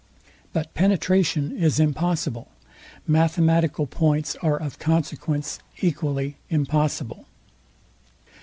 But penetration is impossible: Mathematical points are of consequence equally impossible.